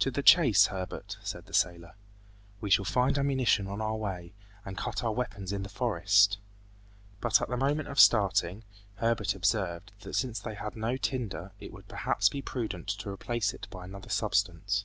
"To the chase, Herbert," said the sailor. "We shall find ammunition on our way, and cut our weapons in the forest." But at the moment of starting, Herbert observed, that since they had no tinder, it would perhaps be prudent to replace it by another substance.